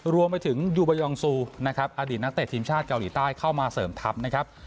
รวมไปถึงยูบายองซูนะครับอดีตนักเตะทีมชาติเกาหลีใต้เข้ามาเสริมทัพนะครับ